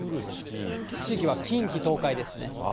地域は近畿、東海ですね。